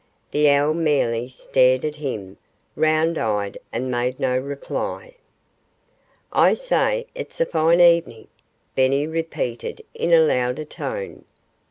The owl merely stared at him, round eyed, and made no reply. "I say, it's a fine evening!" Benny repeated in a louder tone.